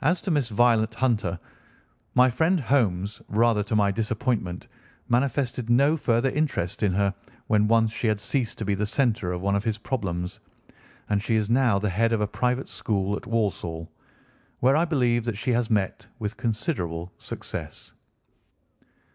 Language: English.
As to Miss Violet Hunter, my friend Holmes, rather to my disappointment, manifested no further interest in her when once she had ceased to be the centre of one of his problems, and she is now the head of a private school at Walsall, where I believe that she has met with considerable success.